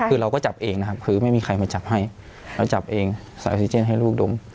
คือเราก็จับเองนะครับคือไม่มีใครมาจับให้เราจับเองใส่ออกซิเจนให้ลูกดม